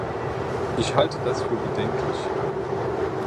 Ich halte das für bedenklich.